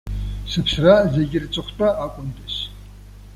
Сыԥсра зегьы рҵыхәтәа акәындаз!